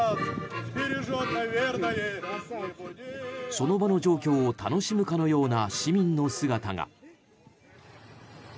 その場の状況を楽しむかのような市民の姿が。